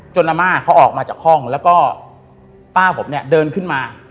อาม่าเขาออกมาจากห้องแล้วก็ป้าผมเนี่ยเดินขึ้นมา